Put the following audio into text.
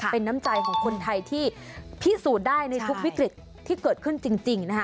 เป็นน้ำใจของคนไทยที่พิสูจน์ได้ในทุกวิกฤตที่เกิดขึ้นจริงนะคะ